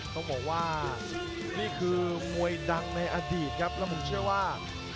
ต้องบอกว่านี่คือมวยดังในอดีตครับแล้วผมเชื่อว่า